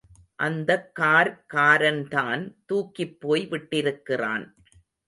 அந்தக் கார்காரன்தான் தூக்கிப் போய் விட்டிருக்கிறான்.